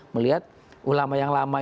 melihat ulama yang lama